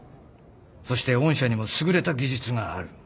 そして御社にも優れた技術がある？